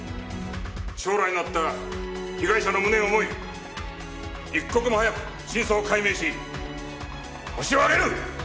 将来のあった被害者の無念を思い一刻も早く真相を解明しホシを挙げる！